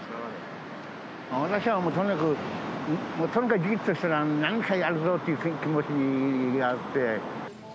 私はとにかく、とにかくじっとしとらん、何かやるぞっていう気持ちがあって。